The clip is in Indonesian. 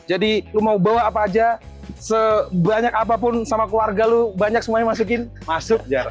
jadi lu mau bawa apa aja sebanyak apapun sama keluarga lu banyak semuanya masukin masuk jar